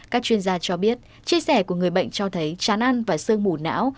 các chuyên gia cho biết chia sẻ của người bệnh cho thấy chán ăn và sương mù não